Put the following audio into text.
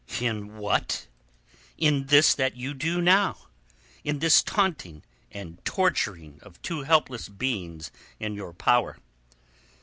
"In what? In this that you do now; in this taunting and torturing of two helpless beings in our power."